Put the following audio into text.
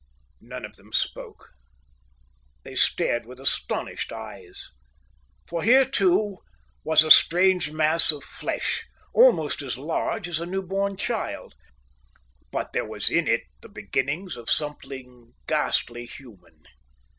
None of them spoke. They stared with astonished eyes. For here, too, was a strange mass of flesh, almost as large as a new born child, but there was in it the beginnings of something ghastly human.